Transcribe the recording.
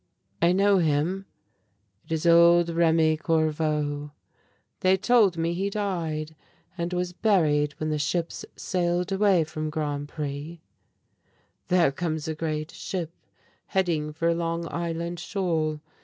I know him, it is old Remi Corveau. They told me he died and was buried when the ships sailed away from Grand Pré. "There comes a great ship heading for Long Island shoal.